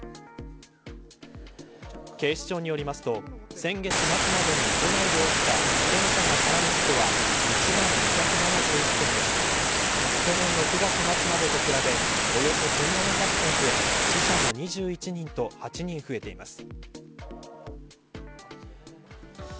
警視庁によりますと先月末までに都内で起きた自転車が絡む事故は１万２７１件で去年の９月末までと比べおよそ１７００件増え死者も２１人と８人増えています。